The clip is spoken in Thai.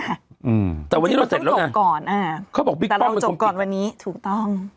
อืมแต่วันนี้เราเสร็จแล้วอ่ะจริงต้องจบก่อนอ่ะเขาบอกบิ๊กป้อมเป็นคนปิดแต่เราจบก่อนวันนี้ถูกต้อง